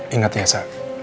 ingat ya sa